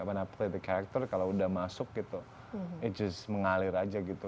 when i play the character kalau udah masuk gitu it just mengalir aja gitu